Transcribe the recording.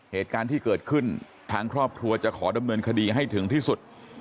เหตุการณ์ที่เกิดขึ้นทางครอบครัวจะขอดำเนินคดีให้ถึงที่สุด